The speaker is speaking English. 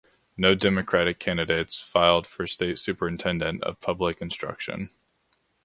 No Democratic candidates filed for State Superintendent of Public Instruction.